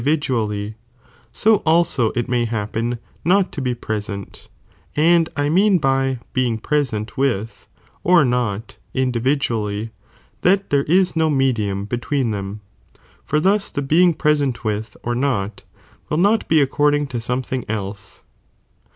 Thu ons vidnallj, so also it may happen not to be present, Inji/Mt'be'hu and I mean by being present with, or not, indi di.idmiiy pw vidually, that there is no medium between them, auier. budi for thus the being present with or not, will not be '^"■ according to something else.